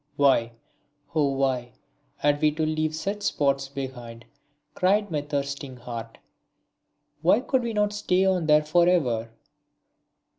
Why, oh why, had we to leave such spots behind, cried my thirsting heart, why could we not stay on there for ever?